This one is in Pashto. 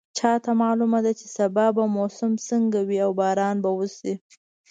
چا ته معلومه ده چې سبا به موسم څنګه وي او باران به وشي